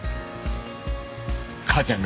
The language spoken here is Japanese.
母ちゃんが？